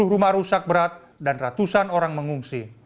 sepuluh rumah rusak berat dan ratusan orang mengungsi